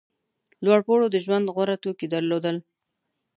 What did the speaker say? لوړپوړو د ژوند غوره توکي درلودل.